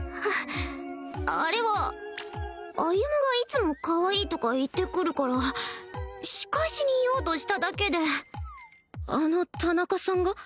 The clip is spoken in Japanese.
あれは歩がいつもかわいいとか言ってくるから仕返しに言おうとしただけであの田中さんが？